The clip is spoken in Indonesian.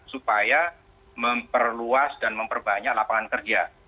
supaya memperluas dan memperbanyak lapangan kerja